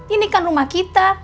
ini kan rumah kita